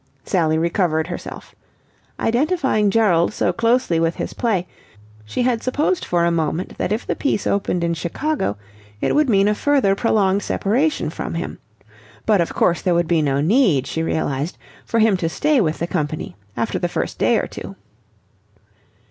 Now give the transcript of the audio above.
Sally recovered herself. Identifying Gerald so closely with his play, she had supposed for a moment that if the piece opened in Chicago it would mean a further prolonged separation from him. But of course there would be no need, she realized, for him to stay with the company after the first day or two.